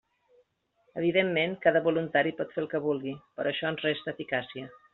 Evidentment cada voluntari pot fer el que vulgui, però això ens resta eficàcia.